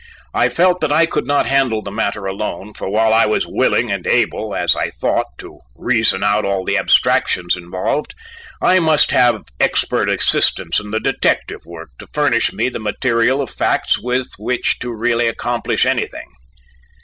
I felt that I could not handle the matter alone, for while I was willing and able, as I thought, to reason out all the abstractions involved, I must have expert assistance in the detective work to furnish me the material of facts with which to really accomplish anything.